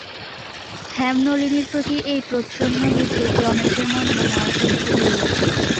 হেমনলিনীর প্রতি এই প্রচ্ছন্ন বিদ্রূপ রমেশের মনে মনে অসহ্য হইল।